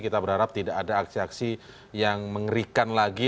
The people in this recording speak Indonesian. kita berharap tidak ada aksi aksi yang mengerikan lagi